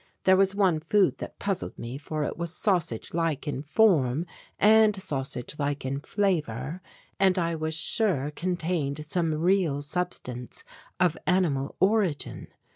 There was one food that puzzled me, for it was sausage like in form and sausage like in flavour, and I was sure contained some real substance of animal origin.